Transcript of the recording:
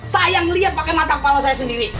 saya melihat pakai mata kepala saya sendiri